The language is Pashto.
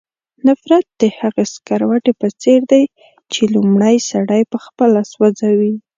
نفرت د هغې سکروټې په څېر دی چې لومړی سړی پخپله سوځوي.